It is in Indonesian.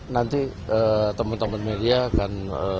nanti teman teman media akan